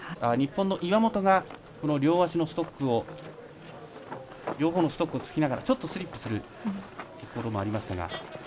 日本の岩本が両方のストックをつきながらちょっとスリップするところもありましたが。